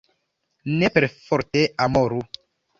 Ne perforte amoru!